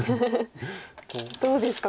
どうですか？